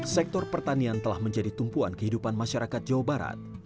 sektor pertanian telah menjadi tumpuan kehidupan masyarakat jawa barat